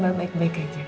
kamu baik baik aja kak